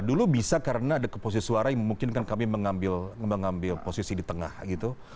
dulu bisa karena ada keposisi suara yang memungkinkan kami mengambil posisi di tengah gitu